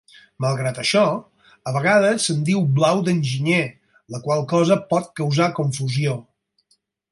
Malgrat això, a vegades se'n diu blau d'enginyer, la qual cosa pot causar confusió.